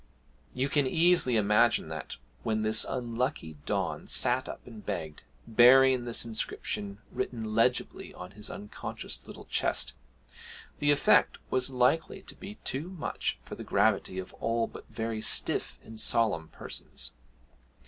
You can easily imagine that, when this unlucky Don sat up and begged, bearing this inscription written legibly on his unconscious little chest, the effect was likely to be too much for the gravity of all but very stiff and solemn persons.